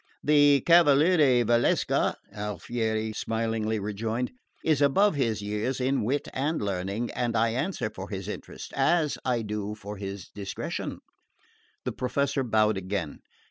"The Cavaliere Valsecca," Alfieri smilingly rejoined, "is above his years in wit and learning, and I answer for his interest as I do for his discretion." The Professor bowed again.